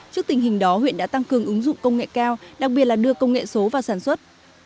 trước tình hình đó huyện đã tăng cường ứng dụng công nghệ cao đặc biệt là đưa công nghệ số vào sản xuất